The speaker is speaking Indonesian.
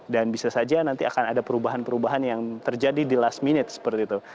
dan bisa saja nanti akan ada perubahan perubahan yang terjadi di last minute seperti itu